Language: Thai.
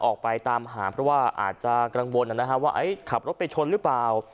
ออกไปตามหาเพราะว่าอาจจะกังวลว่าขับรถไปชนหรือเปล่า